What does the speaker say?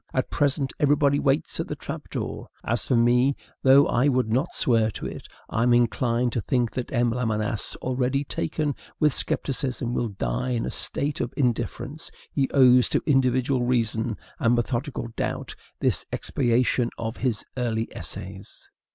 At present, everybody waits at the trap door. As for me, though I would not swear to it, I am inclined to think that M. Lamennais, already taken with scepticism, will die in a state of indifference. He owes to individual reason and methodical doubt this expiation of his early essays.